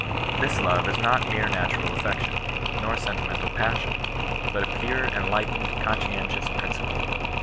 This love is not mere natural affec tion, nor sentimental passion, but a pure, enlightened, conscientious principle.